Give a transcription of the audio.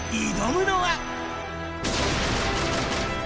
挑むのは。